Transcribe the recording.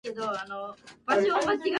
応援してる選手が準決勝で負けちゃったよ